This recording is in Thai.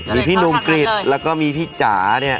มีพี่หนุ่มกริจแล้วก็มีพี่จ๋าเนี่ย